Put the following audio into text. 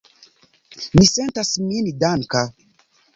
Mi sentas min danka.